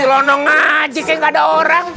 kelonong aja kayak nggak ada orang